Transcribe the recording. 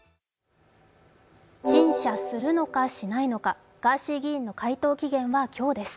陳謝するのか、しないのかガーシー議員の回答期限は今日です。